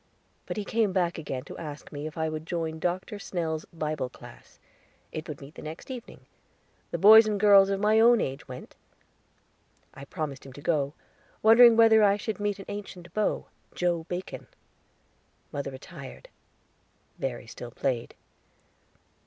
But he came back again, to ask me if I would join Dr. Snell's Bible Class. It would meet the next evening; the boys and girls of my own age went. I promised him to go, wondering whether I should meet an ancient beau, Joe Bacon. Mother retired; Verry still played.